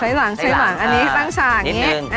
ใช้หลังใช้หลังอันนี้ตั้งฉากนิดนึง